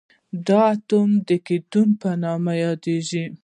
دا اتوم د کتیون په نوم یادیږي.